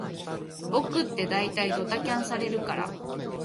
僕ってだいたいドタキャンされるから